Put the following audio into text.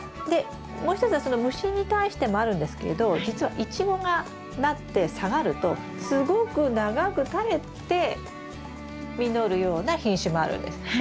でもう一つはその虫に対してもあるんですけれどじつはイチゴがなって下がるとすごく長く垂れて実るような品種もあるんです。